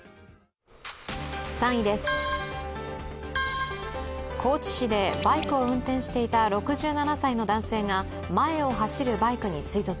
３位です、高知市でバイクを運転していた６７歳の男性が前を走るバイクに追突。